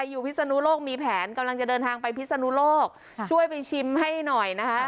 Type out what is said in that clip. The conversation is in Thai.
พิศนุโลกมีแผนกำลังจะเดินทางไปพิศนุโลกช่วยไปชิมให้หน่อยนะคะ